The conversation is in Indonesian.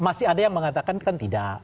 masih ada yang mengatakan kan tidak